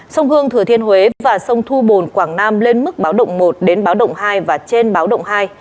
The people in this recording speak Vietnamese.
sông hương thừa thiên huế và sông thu bồn quảng nam lên mức báo động một đến báo động hai và trên báo động hai